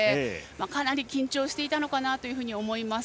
かなり緊張していたのかなと思います。